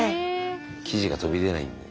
生地が飛び出ないんだよ。